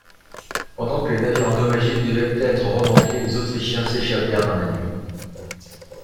Pendant que les navires endommagés devaient être remorqués, les Autrichiens s'échappèrent dans la nuit.